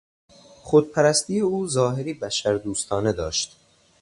خود پرستی او ظاهری بشر دوستانه داشت.